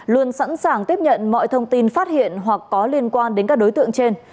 luôn sẵn sàng tiếp nhận mọi thông tin phát hiện hoặc có liên quan đến các đối tượng trên